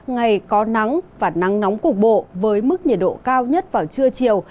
ngày có nắng và nắng nóng cục bộ với mức nhiệt độ cao nhất vào trưa chiều